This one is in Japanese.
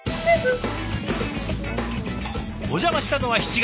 お邪魔したのは７月。